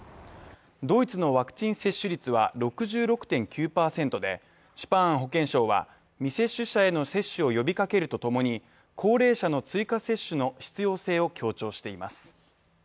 ドイツのワクチン接種率は６６．９％でシュパーン保健相は、未接種者への接種を呼びかけるとともに高齢者の追加接種の必要性を強調しています。